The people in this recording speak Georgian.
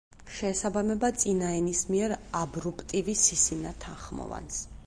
შეესაბამება წინაენისმიერ აბრუპტივი სისინა თანხმოვანს.